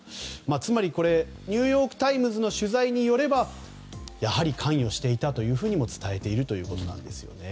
つまりニューヨーク・タイムズの取材によればやはり関与していたと伝えているということなんです。